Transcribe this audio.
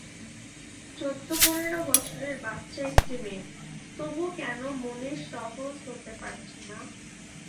চোদ্দ-পনের বছরের বাচ্চা একটি মেয়ে, তবু কেন মুনির সহজ হতে পারছে না।